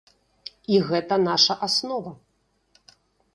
І гэта наша аснова.